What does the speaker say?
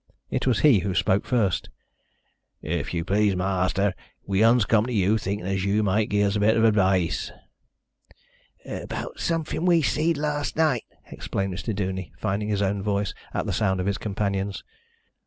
It was he who spoke first. "If you please, ma'aster, we uns come to you thinkin' as you might gi' us a bit o' advice." "About somefin' we seed last night," explained Mr. Duney, finding his own voice at the sound of his companion's.